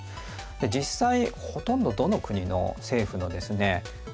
で実際ほとんどどの国の政府のですね